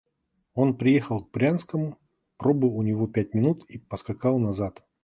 Он приехал к Брянскому, пробыл у него пять минут и поскакал назад.